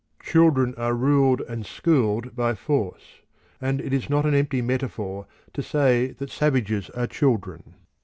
Children are ruled and schooled by force, and it is not an empty metaphor to say that savages are children.